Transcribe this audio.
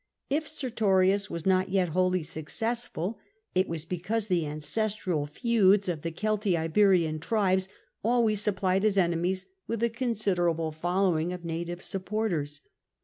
If Sertorius was not yet wholly successful, it was because the ancestral feuds of the Oeltiberian tribes always supplied his enemies with a considerable following of native supporters.